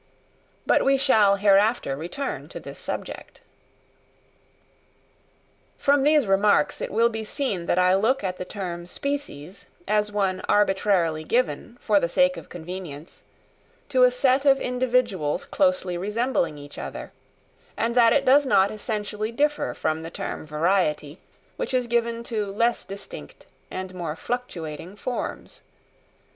But we shall hereafter return to this subject. From these remarks it will be seen that I look at the term species as one arbitrarily given, for the sake of convenience, to a set of individuals closely resembling each other, and that it does not essentially differ from the term variety, which is given to less distinct and more fluctuating forms.